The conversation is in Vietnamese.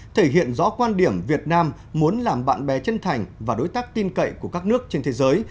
thể hiện rõ quan điểm việt nam muốn làm bạn bè chân thành và đối tác tin cậy của các nước trên thế giới